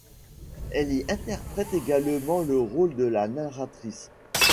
Elle y interprète également le rôle de la narratrice.